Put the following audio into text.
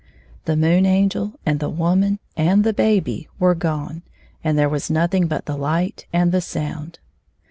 The Moon Angel and the woman and the baby were gone, and there was nothing but the light and the sound.